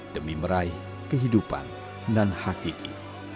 demi meraih kehidupan dan hakiki